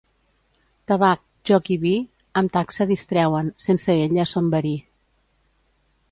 Tabac, joc i vi, amb taxa distreuen, sense ella, són verí.